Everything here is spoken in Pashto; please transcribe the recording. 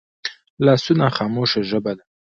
لاسونه خاموشه ژبه ده